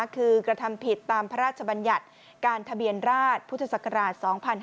คือกระทำผิดตามพระราชบัญญัติการทะเบียนราชพุทธศักราช๒๕๕๙